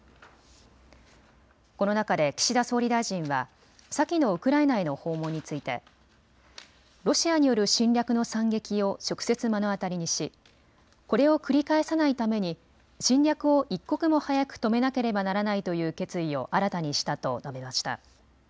この中で岸田総理大臣は先のウクライナへの訪問についてロシアによる侵略の惨劇を直接、目の当たりにしこれを繰り返さないために侵略を一刻も早く止めなければならないという決意を新たにしたと述べました。